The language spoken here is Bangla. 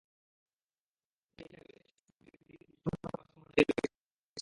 সেই হিসেবে ঈদের ছুটির তিন দিন বৃষ্টিমুখর হওয়ার সম্ভাবনাই রয়েছে পূর্বাভাসে।